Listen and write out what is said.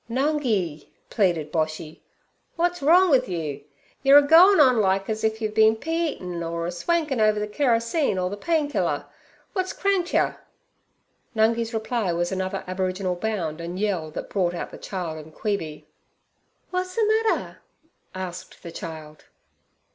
'Nungi' pleaded Boshy, 'w'at's wrong wi' you? You're a goin on like az if you've been pea eatin', or a swankin' ov ther kerosene, or the pain killer. W'at's kranked yer?' Nungi's reply was another aboriginal bound and yell that brought out the child and Queeby. 'W'a's the matter?' asked the child.